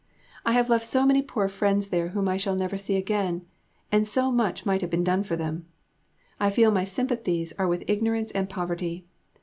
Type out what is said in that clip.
I have left so many poor friends there whom I shall never see again, and so much might have been done for them.... I feel my sympathies are with Ignorance and Poverty.